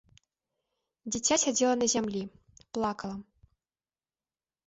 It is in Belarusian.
Дзіця сядзела на зямлі, плакала.